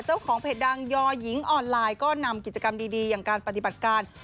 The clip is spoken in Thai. เจ้าของเพจดังยอหญิงออนไลน์ก็นำกิจกรรมดีอย่างการปฏิบัติการ